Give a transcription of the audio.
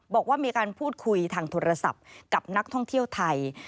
บอกว่ามีการพูดคุยทางโทรศัพท์กับนักท่องเที่ยวไทย